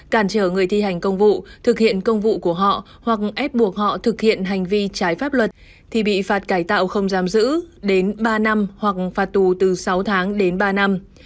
cản trở người thi hành công vụ thực hiện công vụ của họ hoặc ép buộc họ thực hiện hành vi trái pháp luật thì bị phạt cải tạo không giam giữ đến ba năm hoặc phạt tù từ sáu tháng đến ba năm